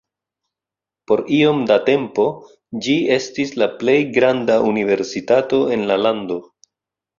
Por iom da tempo, ĝi estis la plej granda universitato en la lando.